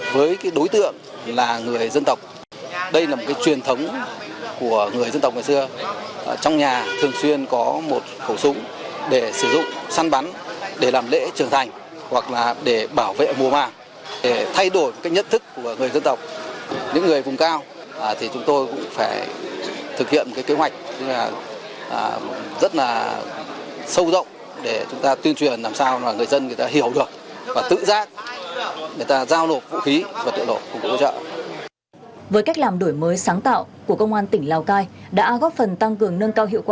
với cách làm đổi mới sáng tạo của công an tỉnh lào cai đã góp phần tăng cường nâng cao hiệu quả công an tỉnh lào cai